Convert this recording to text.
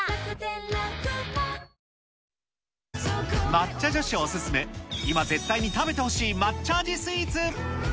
抹茶女子お勧め、今絶対に食べてほしいまっチャージスイーツ。